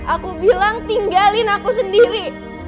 aku bilang tinggalin aku sendiri